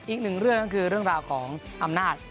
อีกหนึ่งเรื่องก็คือเรื่องราวของอำนาจ